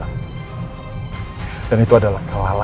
aduh ada askara tuh